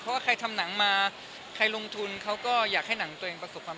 เพราะว่าใครทำหนังมาใครลงทุนเขาก็อยากให้หนังตัวเองประสบความ